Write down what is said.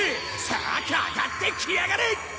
さあかかってきやがれ！